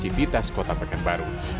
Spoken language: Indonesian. bin menyebutkan kemampuan untuk mengeksekusi